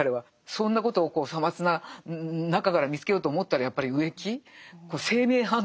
そんなことをさまつな中から見つけようと思ったらやっぱり植木。